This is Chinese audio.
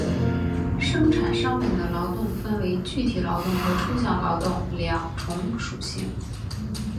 生产商品的劳动分为具体劳动和抽象劳动二重属性。